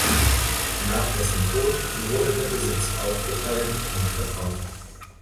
Nach dessen Tod wurde der Besitz aufgeteilt und verkauft.